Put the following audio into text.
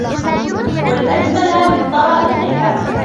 وَالْأَجْمَلَ مِنْ طَرَائِقِهَا